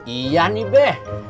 iya nih be